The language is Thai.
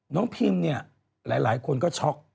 พิมเนี่ยหลายคนก็ช็อก